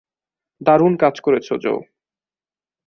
দারুন কাজ করেছো, জো।